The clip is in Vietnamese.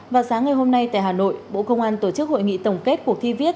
vào sáng ngày hôm nay tại hà nội bộ công an tổ chức hội nghị tổng kết cuộc thi viết